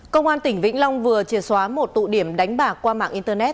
công an tỉnh vĩnh long vừa triệt xóa một tụ điểm đánh bạc qua mạng internet